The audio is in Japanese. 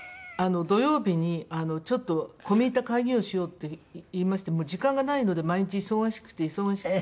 土曜日にちょっと込み入った会議をしようって言いまして時間がないので毎日忙しくて忙しくて。